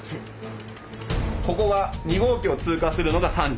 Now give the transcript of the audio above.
ここが２号機を通過するのが３時。